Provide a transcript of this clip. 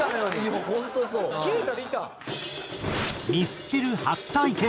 ミスチル初体験。